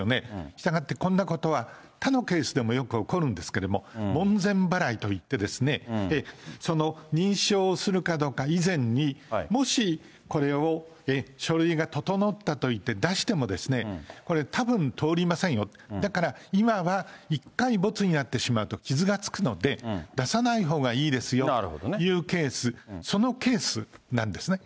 したがい、こんなことは他のケースでもよく起こるんですけれども、門前払いといってですね、その認証するかどうか以前に、これを、書類が整ったと言って出してもですね、これたぶん通りませんよ、だから今は一回ボツになってしまうと傷がつくので、出さないほうがいいですよというケース、そのケースなんですね。